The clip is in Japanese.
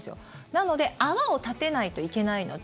なので泡を立てないといけないので。